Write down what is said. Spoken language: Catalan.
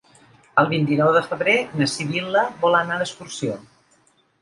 El vint-i-nou de febrer na Sibil·la vol anar d'excursió.